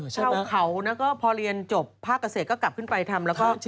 เช่าเขาแล้วก็พอเรียนจบผ้าเกษตรก็กลับขึ้นไปทำ